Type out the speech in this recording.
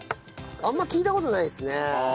あんま聞いた事ないですね。